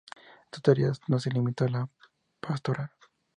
Su tarea no se limitó a la pastoral.